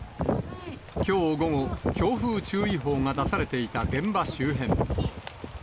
きょう午後、強風注意報が出されていた現場周辺。